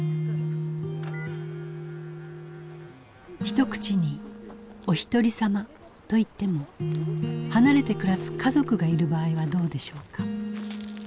ひと口におひとりさまといっても離れて暮らす家族がいる場合はどうでしょうか？